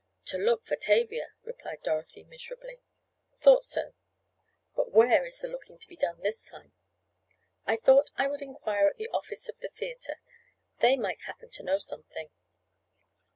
"To look for Tavia," replied Dorothy miserably. "Thought so. But where is the looking to be done this time?" "I thought I would inquire at the office of the theatre. They might happen to know something."